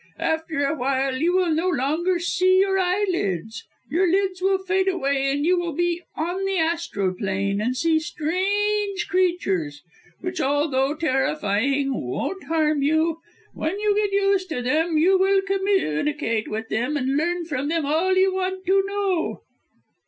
After a while you will no longer see your eyelids your lids will fade away and you will be on the Astral Plane, and see strange creatures, which, although terrifying, won't harm you. When you get used to them, you will communicate with them, and learn from them all you want to know."